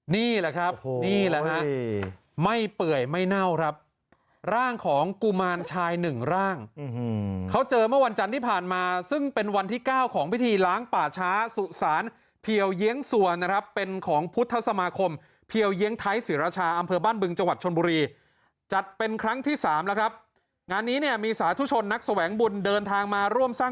นี่แหละครับนี่แหละฮะไม่เปื่อยไม่เน่าครับร่างของกุมารชายหนึ่งร่างเขาเจอเมื่อวันจันทร์ที่ผ่านมาซึ่งเป็นวันที่เก้าของพิธีล้างป่าช้าสุสานเพียวเยียงสวนนะครับเป็นของพุทธสมาคมเพียวเยียงไทยศิรชาอำเภอบ้านบึงจังหวัดชนบุรีจัดเป็นครั้งที่สามแล้วครับงานนี้เนี่ยมีสาธุชนนักแสวงบุญเดินทางมาร่วมสร้าง